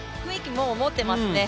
もう持ってますね。